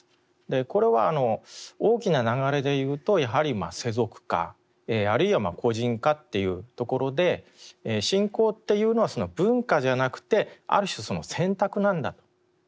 これは大きな流れでいうとやはり世俗化あるいは個人化っていうところで信仰っていうのは文化じゃなくてある種選択なんだと。